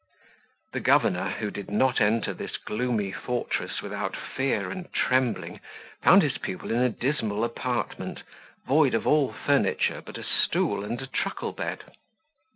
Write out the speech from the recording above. The governor, who did not enter this gloomy fortress without fear and trembling, found his pupil in a dismal apartment, void of all furniture but a stool and a truckle bed.